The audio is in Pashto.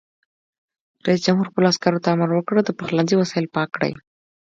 رئیس جمهور خپلو عسکرو ته امر وکړ؛ د پخلنځي وسایل پاک کړئ!